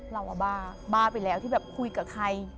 เราบ้าบ้าไปแล้วที่แบบคุยกับใคร